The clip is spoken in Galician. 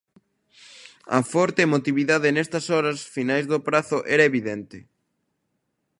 A forte emotividade nestas horas finais do prazo era evidente.